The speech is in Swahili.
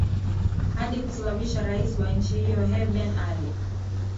hadi kusababisha rais wa nchi hiyo hee ben ali